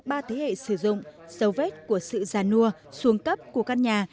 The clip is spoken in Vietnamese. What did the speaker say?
ba thế hệ sử dụng dấu vết của sự già nua xuống cấp của căn nhà